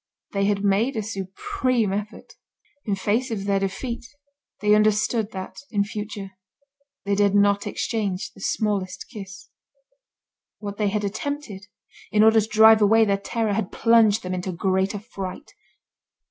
They had made a supreme effort. In face of their defeat, they understood that, in future, they dared not exchange the smallest kiss. What they had attempted, in order to drive away their terror, had plunged them into greater fright.